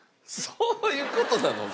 そういう事なの？